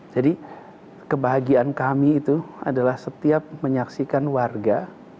jadi kebahagiaan kami itu adalah setiap menyaksikan warga